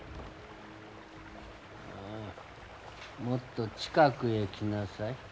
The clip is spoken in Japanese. もっと近くへ来なさい。